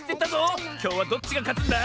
きょうはどっちがかつんだ？